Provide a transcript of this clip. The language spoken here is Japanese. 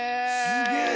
すげえ！